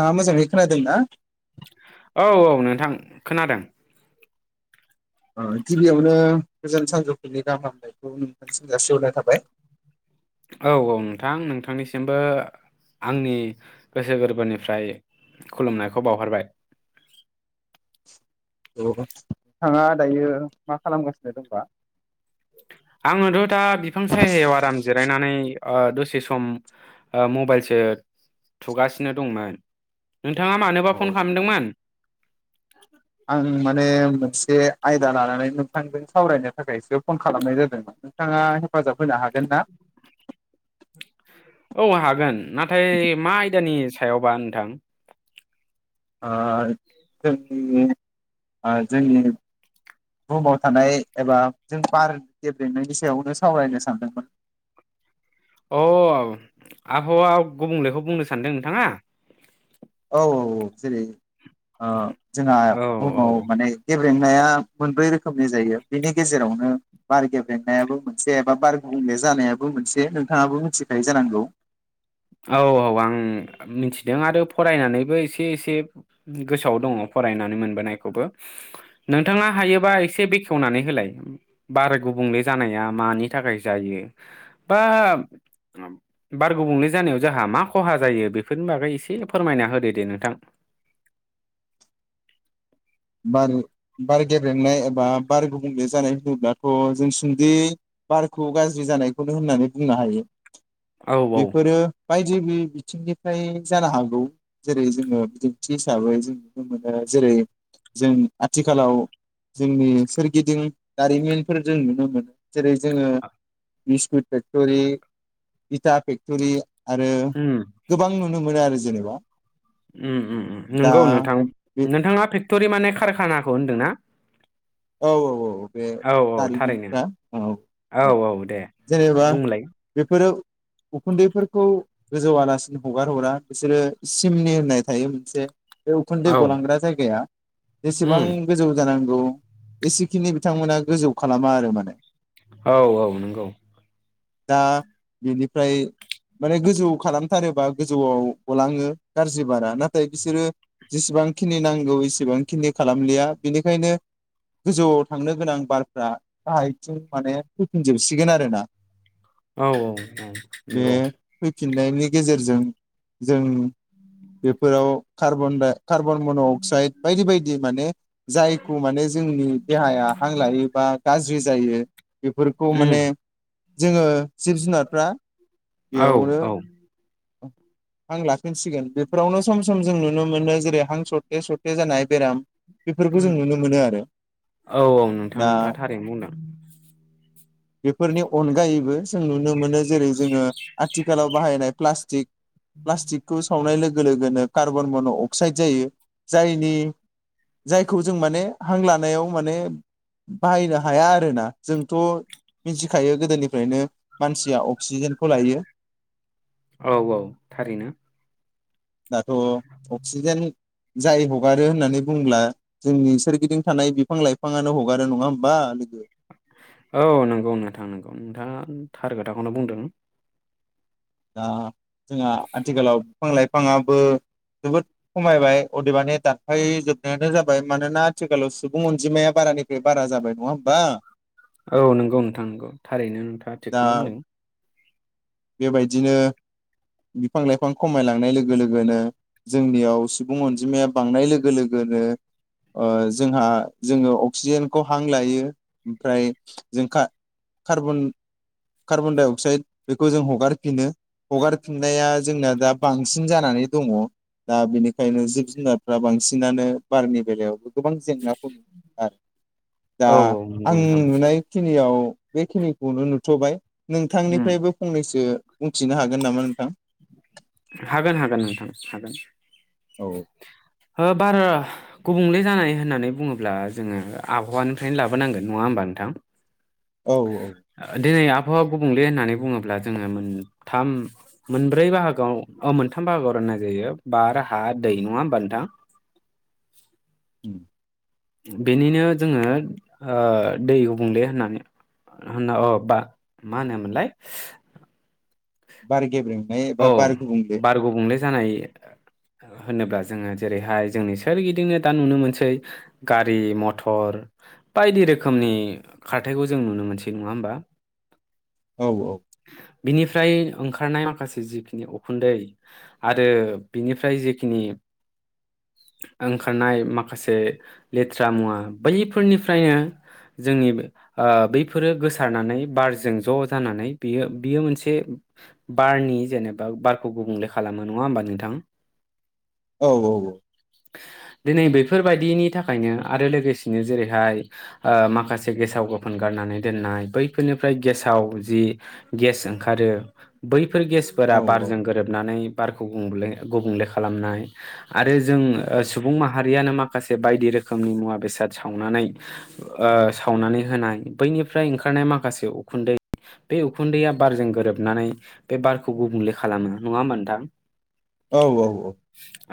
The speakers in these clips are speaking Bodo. आ म ज [unintelligible] औ औ नोंथां। खोनादों। गिबियावनो गोजोन सानजौफुनि गाहाम हामलायनायखौ नोंथांसिम जासिहरनाय थाबाय। औ औ नोंथां नोंथांनिसिमबो आंनि गोसो गोरबोनिफ्राय खुलुमनायखौ बावहरबाय। औ नोंथाङा दायो मा खालामगासिनो दंबा। आंथ' दा। बिफां सायायाव आराम जिरायनानै दसे सम मबाइलसो थुगासिनो दंमोन। नोंथाङा मानोबा फन खालामदोंमोन? आं माने मोनसे आयदा लानानै नोंथांजों सावरायनो थाखायसो फन खालामनाय जादोंमोन नोंथाङा हेफाजाब होनो हागोन ना? औ हागोन नाथाय मा आयदानि सायावबा नोंथां? ओ जोंनि जोंनि बुहुमाव थानाय एबा जों बार गेबेंनायनि सायावनो सावरायनो सानदोंमोन। अ आबहावा गुबुंलेखौ बुंनो सानदों नोंथाङा? औ औ जेरै जोंहा औ औ बुहुमाव माने [unintelligible] मोनब्रै रोखोमनि जायो बेनि गेजेरावनो बार गेबेेंनायाबो मोनसे एबा बार गुबुंले जानायाबो मोनसे नोंथाङाबो मिथिखायो जानांगौ। औ औ आं मिथिदों आरो फरायनानैबो एसे एसे गोसोआव दङ फरायनानै मोनबोनायखौबो नोंथाङा हायोबा एसे बेखेवनानै होलाय बार गुबुंले जानाया मानि थाखाय जायो बा बार गुबुंले जानायाव जोंहा मा खहा जायो बेफोरनि बागै एसे फोरमायना होदो दे नोंथां। बार बार गेब्रेंनाय एबा बार गुबुंले जानाय होनोब्लाथ' जों सुंदियै बारखौ गाज्रि जानायखौनो होननानै बुंनो हायो। औ बेफोरो बायदि बिथिंनिफ्राय जानो हागौ जेरै जोङो बिदिन्थि हिसाबै जों नुनो मोनो जेरै जों आथिखालाव जोंनि सोरगिदिं दारिमिनफोर जों नुनो मोनो जेरै जोङो बिस्कुट फेक्टरि, इटा फेक्टरि। आरो उम गोबां नुनो। नुनो मोनो आरो जेनेबा। उम उम दा नोंगौ नोंथां बे नोंथाङा [unintelligible] [unintelligible] माने कारखानाखौ होनदोंना? औ औ औ। बे औ औ थारैनो दारिमिनफ्रा औ औ औ जेनेबा बुंलाय बेफोरो उखुन्दैफोरखौ गोजौ आलासिनो हगार हरा बिसोरो सिमनि होननाय थायो मोनसे बे उखुन्दै औ गलांग्रा जायगाया जेसेबां उम गोजौ जानांगौ औ। एसेखिनि बिथांमोना गोजौ खालामा आरो माने। औ औ नंगौ। दा बेनिफ्राय माने गोजौ खालामथारोबा गोजौआव गलाङो गाज्रि बारा नाथाय बिसोरो जेसेबां खिनि नांगौ एसेबां खिनि खालामलिया बेनिखायनो गोजौआव थांनो गोनां बारफ्रा गाहायथिं माने फैफिनजोबसिगोन आरोना। औ औ औ नंगौ। फिननायनि गेजेरजों जों बेफोराव कार्बन- कार्बन मन' अक्साइड बायदि बायदि माने [unintelligible] माने जोंनि देहाया हां लायोबा गाज्रि जायो बेफोरखौ उम माने जोङो जिब -जुनारफ्रा औ बेयावनो औ। हां लाफिनसिगोन बेफोरावनो सम सम जों नुनो मोनो जेरै हां सरथे सरथे जानाय बेराम बेफोरखौ उम जों नुनो मोनो आरो औ औ नोंथां दा नोंथाङा थारैनो बुंदों बेफोरनि अनगायैबो जों नुनो मोनो जेरै जोङो आथिखालाव बाहायनाय फ्लास्टिक फ्लास्टिकखौ सावनाय लोगो लोगोनो कार्बन मन' अक्साइद जायो जायनि जायखौ जों माने हां लानायाव माने बाहायनो हाया आरोना जोंथ' मिथिखायो गोदोनिफ्रायनो मानसिया अक्सिजेनखौ लायो औ औ थारैनो दाथ' अक्सिजेन जाय हगारो होननानै बुंब्ला जोंनि सोरगिदिं थानाय बिफां लाइफाङानो हगारो नङा होमबा लोगो औ नंगौ नोंथां नंगौ नोंथाङा थार खोथाखौनो बुंदों दा जोंहा आथिखालाव बिफां लाइफाङाबो जोबोद खमायबाय अदेबानि दानफायजोबनायानो जाबाय मानोना आथिखालाव सुबुं अनजिमाया बारानिफ्राय बारा जाबाय नङा होमबा औ नंगौ नोंथां नंगौ थारैनो नोंथाङा दा थिकखौनो बुंदों बेबायदिनो बिफां लाइफां खमायलांनाय लोगो लोगोनो जोंनियाव सुबुं अनजिमाया बांनाय लोगो लोगोनो जोंहा जोङो अक्सिजेनखौ हां लायो ओमफ्राय जों कार्बन कार्बनडाइ अक्साइड बेखौ जों हगारफिनो हगारफिननाया जोंना दा बांसिन जानानै दङ दा बेनिखायनो जिब जुनारफ्रा बांसिनानो बारनि बेलायावबो गोबां जेंनाखौ आरो दा औ औ नंगौ आं नोंथां नुनायखिनियाव बेखिनिखौनो नुथ'बाय उम नोंथांनिफ्रायबो सो बुंथिनो हागोन नामा नोंथां हागोन हागोन नोंथां हागोन औ बारा गुबुंले जानाय होननानै बुङोब्ला जोङो आबहावानिफ्रायनो लाबोनांगोन नङा होमबा नोंथां औ देनाय आब हावा गुबुंले होननानै बुङोब्ला जोङो मोनथाम मोनब्रै बाहागोव मोनथाम बाहागोआव राननाय जायो बार हा दै नङा होमबा नोंथां [inaudible] बेनिनो जोङो दै गुबुंले होननानै होनना अ बा मा होनोमोनलाय बार गेब्रें औ बार गुबुंंले जानाय होनोब्ला जोङो जेरैहाय जोंनि सोरगिदिंनो दा नुनो मोनसै गारि मथर बायदि रोखोमनि खारथायखौ जों नुनो मोनसै नङा होमबा? औ औ बिनिफ्राय ओंखारनाय माखासे जिखिनि उखुन्दै आरो बिनिफ्राय जिखिनि ओंखारनाय माखासे लेथ्रा मुवा बैफोरनिफ्रायनो जोंनि बैफोरो गोसारनानै बारजों ज' जानानै बेयो बियो मोनसे बारनि जेनेबा बारखौ गुबुंले खालामो नङा होमबा नोंथां? औ औ औ दिनै बैफोरबायादिनि थाखायनो आरो लोगोसेनो जेरैहाय माखासे ओ गेसाव गोफोन गारनानै दोननाय बैफोरनिफ्राय गेसाव जि गेस ओंखारो बै फोर गेसफोरा औ बारजों गोरोबनानै बारखौ गुबुंले गुबुंले खालामनाय आरो जों सुबुं माहारियानो माखासे बायदि रोखोमनि मुवा बेसाद सावनानै ओ सावनानै होनाय बैनिफ्राय ओंखारनाय माखासे उखुन्दै बे उखुन्दैया बारजों गोरोबनानै बे बारखौ गुबुंले खालामो नङा होमबा नोंथां? औ औ औ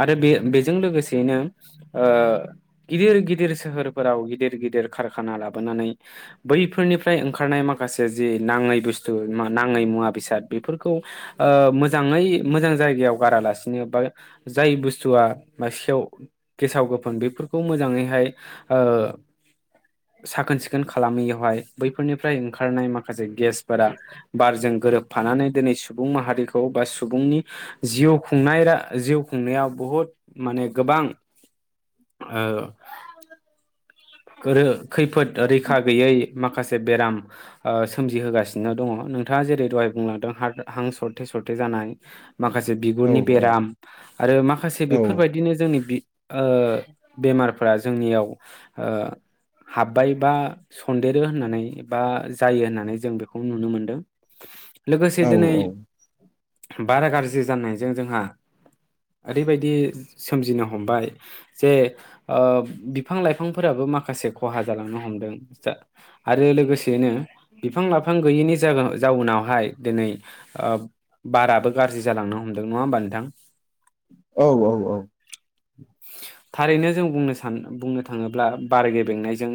आरो बे बेजों लोगोसेयैनो गिदिर गिदिर सोहोरफोराव गिदिर गिदिर कारखाना लाबोनानै बैफोरनिफ्राय ओंखारनाय माखासे जि नाङै बुस्थु नाङै मुवा बेसाद बेफोरखौ मोजाङै मोजां जायगायाव गारालासिनो बा जाय बुस स्थुवा बा सेव गेसाव गोफोन बेफोरखौ मोजाङैहाय साखोन सिखोन खालामैयावहाय बैफोरनिफ्राय ओंखारनाय माखासे गेसफोरा बारजों गोरोबफानानै दिनै सुबुं माहारिखौ बा सुबुंनि जिउ खुंनाय रा‌ जिउ खुंनायाव बुहुद माने गोबां ओ गोरो खैफोद रैखा गैयै माखासे बेराम सोमजिहोगासिनो दङ नोंथाङा जेरै दहाय बुंलांदों हार-हां सरथे सरथे जानाय माखासे औ बिगुरनि बेराम आरो माखासे बेफोरबायदिनो जोंनि बि ओ बेमारफ्रा जोंनियाव हाबबाय बा सनदेरो होननानै बा जायो होननानै जों बेखौ नुनो मोनदों। [inaudible] लोगोसे औ दोनै बारा गाज्रि जानायजों जोंहा ओरैबायदि सोमजिनो हमबाय जे बिफां लाइफां फोराबो माखासे खहा जालांनो हमदों जा आरो लोगोसेनो बिफां लाइफां गैयैनि जा-जाउनावहाय दिनै बाराबो गाज्रि जालांनो हमदों नङा होमबा नोंथां? औ औ औ थारैनो जों बुंनो सान बुंनो थाङो ब्ला बार गेबेंनायजों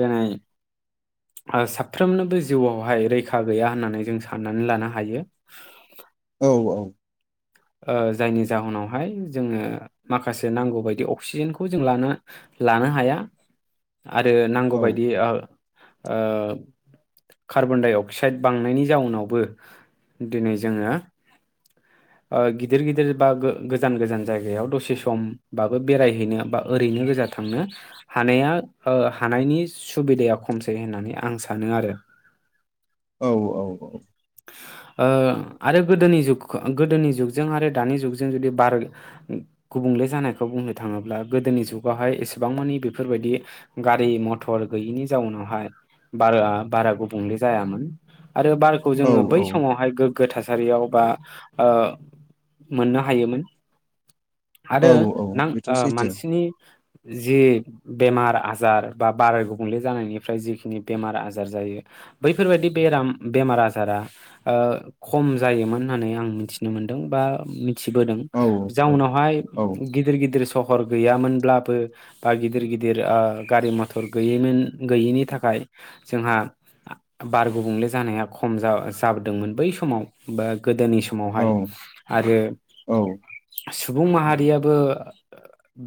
दोनै साफ्रोमनोबो जिउआवहाय रैखा गैया होननानै जों साननानै लानो हायो। औ औ जायनि जाउनावहाय जोङो माखासे नांगौ बायदि अक्सिजेनखौ जों लानो लानो हाया। आरो औ नांगौबायदि कार्बन डाइ अक्साइड बांनायनि जाउनावबो दिनै जोङो गिदिर गिदिर बा गोजान गोजान जायगायाव दसे समबाबो बेरायहैनो बा ओरैनो गोजा थांनो हानाया हानायनि सुबिदाया खमसै होननानै आं सानो आरो। औ औ औ आरो गोदोनि जुग ओ गोदोनि जुगजों आरो दानि जुगजों जुदि बार गुबुंले जानायखौ बुंनो थाङोब्ला गोदोनि जुगावहाय एसेबां मानि बेफोरबायदि गारि मथर गैयिनि जाउनावहाय बारआ बारा गुबुंले जायामोन आरो बार खौ औ जोङो बै औ समावहाय गोग्गो थासारियाव बा ओ मोननो हायोमोन। औ आरो औ नां बेथ' ओ सैथो मानसिनि जि बेमार आजार बा बाराय गुबुंले जानायनिफ्राय जिखिनि बेमार आजार जायो बैफोरबायदि बेराम बेमार आजार जारा ओ खम जायोमोन होन्नानै आं मिथिनो मोनदों बा मिथिबोदों औ जाउनावहाय औ गिदिर गिदिर सहर गैयामोनब्लाबो बा गिदिर गिदिर ओ गारि मथर गैयैमोन गैयैनि थाखाय जोंहा बार आ‌ गुबुंले जानाया खम जा जाबोदोंमोन बै समाव बा गोदोनि औ समावहाय आरो औ सुबुं माहारियाबो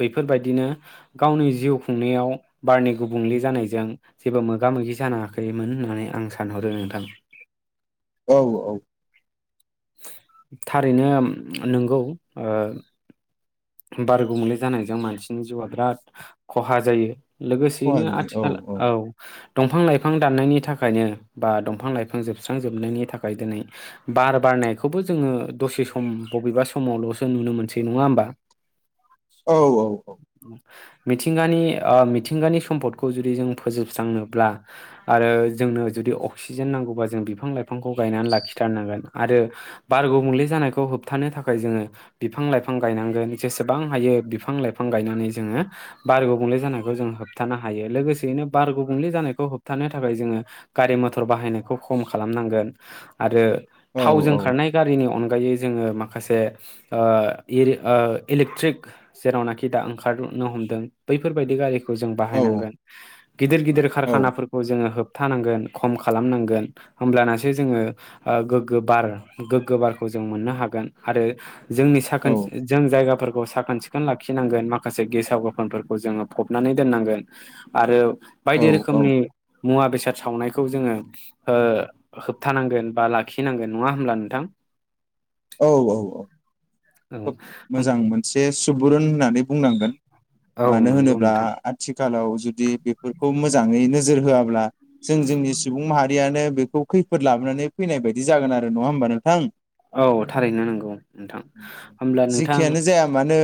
बैफोरबायदिनो गावनि जिउ खुंनायाव बारनि गुबुंले जानायजों जेबो मोगा मोगि जानाङाखैमोन होननानै आं सानहरो नोंथां। औ औ थारैनो नंगौ ओ बारगुंबुंले जानायजों मानसिनि जिउआ बिराद खहा जायो। खहा लोगोसेयैनो गोग्लैयो आथिखाल औ दंफां लाइफां दाननायनि थाखायनो बा दंफां लाइफां जोबस्रांजोबनायनि थाखाय दिनै बार बारनायखौबो जोङो दसे सम बबेबा समावल'सो नुनो मोनसै नङा होमबा? औ औ औ मिथिंगानि ओ मिथिंगानि सम्फदखौ जुदि जों फोजोबस्रांनोब्ला आरो जोंनो जुदि अक्सिजेन नांगौबा जों बिफां लाइफांखौ गायनानै लाखिथारनांगोन आरो बार गुबुंले जानायखौ होबथानो थाखाय जोङो बिफां लाइफां गायनांगोन। जेसेबां हायो बिफां लाइफां गायनानै जोङो बार गुबुंले जानायखौ जों होबथानो हायो लोगोसेयैनो बार गुबुंले जानायखौ होबथानो थाखाय जोङो गारि मथर बाहायनायखौ खम खालामनांगोन आरो औ थावजों खारनाय गारिनि अनगायै अनगायै जोङो माखासे ओ इरि ओ इलेकट्रिक जेरावनाखि दा ओंखारनो हमदों बैफोरबायदि गारिखौ जों औ बाहायनांगोन गिदिर गिदिर खारखानाफोरखौ जोङो होब थानांगोन खम खालामनांगोन होमब्लानासो जोङो ओ गोग्गो बार गोग्गो बारखौ जों मोननो हागोन आरो जोंनि साखोन सि जों जायगा फोरखौ साखोन सिखोन लाखिनांगोन माखासे गेसाव गोफोनफोरखौ जोङो फबनानै दोननांगोन आरो बायदि औ औ रोखोमनि मुवा बेसाद सावनायखौ जोङो होबथानांगोन बा लाखिनांगोन नङा होमब्ला नोंथां? औ औ औ औ खोब मोजां मोन एसे सुबुरुन होननानै बुंनांगोन औ मानो नंगौ होनोब्ला नोंथां आथिखालाव जुदि बेफोरखौ मोजाङैनो नोजोर होआब्ला जों जोंनि सुबुं माहारियानो बे खौ खैफोद लाबोनानै फैनाय बायदि जागोन आरो नङा होमबा नोंथां? औ थारैनो नंगौ नोंथां होमब्ला नोंथां जेखियानो जाया मानो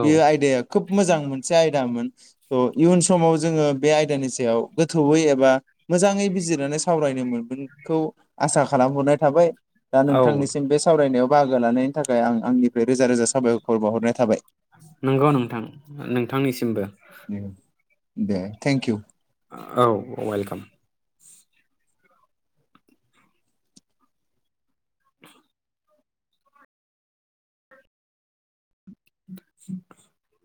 बेयो औ- आयदाया खोब मोजां मोनसे आयदामोन अ इयुन समाव जोङो बे आयदानि सायाव गोथौयै एबा मोजाङै बिजिरनानै सावरायनो मोनगोनखौ आसा खालामहरनाय थाबाय। दा औ नोंथांनिसिम बे फरायनायाव बाहागो लानायनि थाखाय आं आंनिफ्राय रोजा रोजा साबायखर बावहरनाय थाबाय। नंगौ नोंथां नोंथांनिसिमबो। दे थेंकइउ। औ वेलकाम [inaudible]